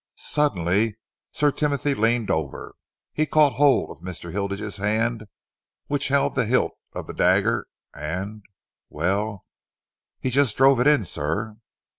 Suddenly Sir Timothy leaned over. He caught hold of Mr. Hilditch's hand which held the hilt of the dagger, and and well, he just drove it in, sir.